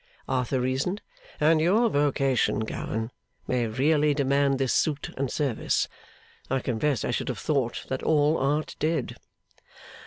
Arthur reasoned. 'And your vocation, Gowan, may really demand this suit and service. I confess I should have thought that all Art did.